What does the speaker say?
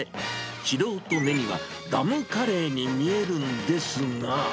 素人目にはダムカレーに見えるんですが。